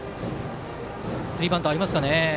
スリーバントありますかね。